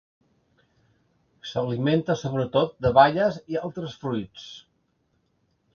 S'alimenta sobretot de baies i altres fruites.